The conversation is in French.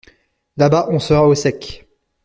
Là-bas, on sera au sec!